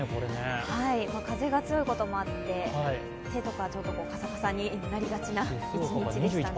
風が強いこともあって、手とかカサカサになりがちな一日でしたね。